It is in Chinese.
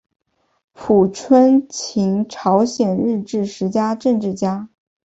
朴春琴朝鲜日治时期政治家。